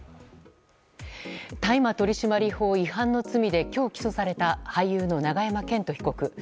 大麻取締法違反の罪で今日、起訴された俳優の永山絢斗被告。